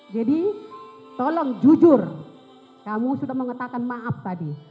jadi tolong jujur kamu sudah mengatakan maaf tadi